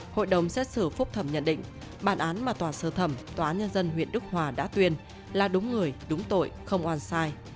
hội đồng xét xử phúc thẩm nhận định bản án mà tòa sơ thẩm tòa án nhân dân huyện đức hòa đã tuyên là đúng người đúng tội không oan sai